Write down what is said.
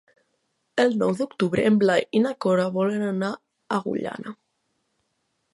El nou d'octubre en Blai i na Cora volen anar a Agullana.